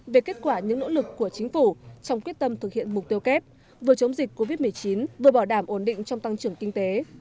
về kết quả những nỗ lực của chính phủ trong quyết tâm thực hiện mục tiêu kép vừa chống dịch covid một mươi chín vừa bảo đảm ổn định trong tăng trưởng kinh tế